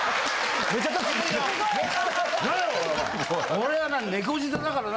俺はな猫舌だからな